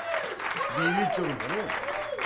ビビっちょるんかのう。